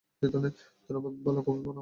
ধন্যবাদ, ভালো কফি বানাও।